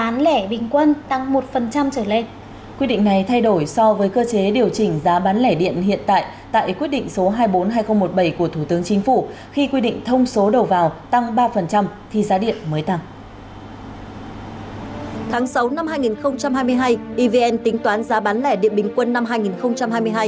tháng sáu năm hai nghìn hai mươi hai evn tính toán giá bán lẻ điện bình quân năm hai nghìn hai mươi hai lên mức một chín trăm một mươi năm năm mươi chín đồng một kwh